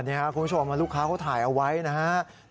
นี่ครับคุณผู้ชมลูกค้าเขาถ่ายเอาไว้นะครับ